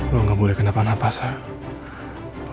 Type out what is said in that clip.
lo gak boleh kenapa napa